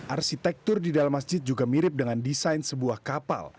arsitektur di dalam masjid juga mirip dengan desain sebuah kapal